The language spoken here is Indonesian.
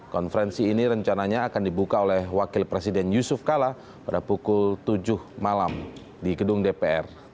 konferensi ini rencananya akan dibuka oleh wakil presiden yusuf kala pada pukul tujuh malam di gedung dpr